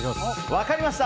分かりました！